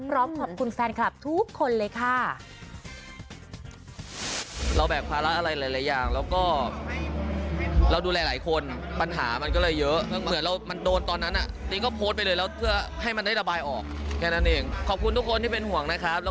พร้อมขอบคุณแฟนคลับทุกคนเลยค่ะ